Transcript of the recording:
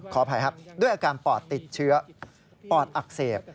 ขออภัยครับด้วยอาการปอดติดเชื้อปอดอักเสบ